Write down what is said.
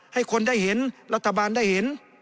ให้คนได้เห็นรัฐบาลได้เห็น